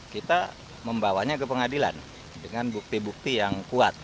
kita membawanya ke pengadilan dengan bukti bukti yang kuat